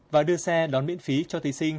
và đưa xe đón miễn phí cho thí sinh